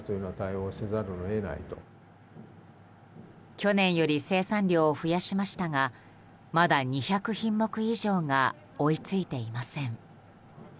去年より生産量を増やしましたがまだ２００品目以上が追い付いていません。